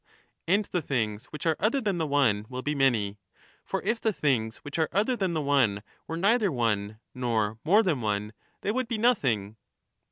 And the things which are other than the one will be many; for if the things which are other than the one were neither one nor more than one, they would be nothing.